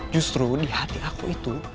justru di hati aku itu